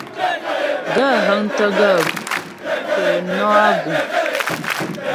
Gaə̂ hə́ŋtə́ gaə̂ po nɔ́ a guŋ ?